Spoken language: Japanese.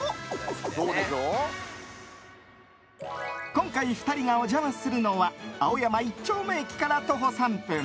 今回２人がお邪魔するのは青山一丁目駅から徒歩３分。